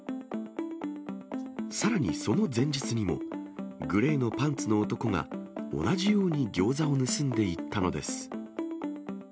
さらにその前日にも、グレーのパンツの男が同じようにギョーザを盗んでいったのです。